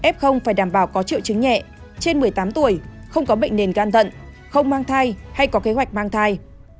f phải đảm bảo có triệu chứng nhẹ trên một mươi tám tuổi không có bệnh nền gan thận không mang thai hay có kế hoạch mang thai